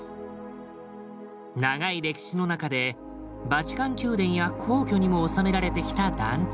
長い歴史の中でバチカン宮殿や皇居にも納められてきた緞通。